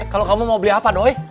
kalau kamu mau beli apa doy